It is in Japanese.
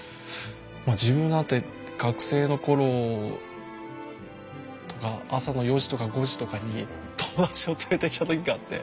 自分なんて学生の頃とか朝の４時とか５時とかに友達を連れてきた時があって。